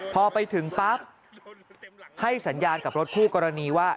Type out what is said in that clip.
พอไปถึงปั๊บให้สัญญาณกับรถคู่กรณีว่า